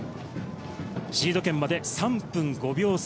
シード権まで３分５秒差。